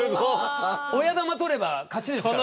親玉取れば勝ちですから。